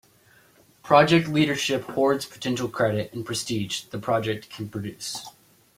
Project leadership hoards potential credit and prestige the project can produce.